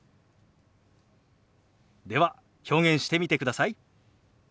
では表現してみてください。